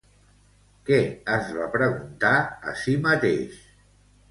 Què es va preguntar a si mateix?